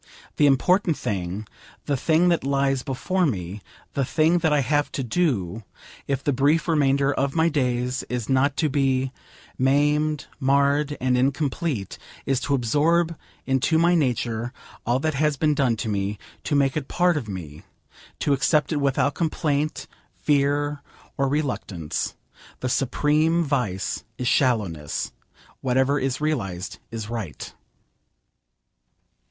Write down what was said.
The important thing, the thing that lies before me, the thing that I have to do, if the brief remainder of my days is not to be maimed, marred, and incomplete, is to absorb into my nature all that has been done to me, to make it part of me, to accept it without complaint, fear, or reluctance. The supreme vice is shallowness. Whatever is realised is right.